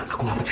aku gak percaya